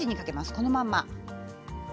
このまんま。